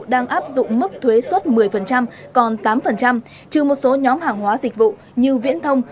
đang áp dụng mức thuế xuất một mươi còn tám trừ một số nhóm hàng hóa dịch vụ như viễn thông